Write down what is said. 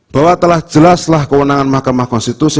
bahwa telah jelaslah kewenangan mahkamah konstitusi